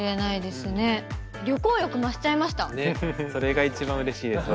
それが一番うれしいです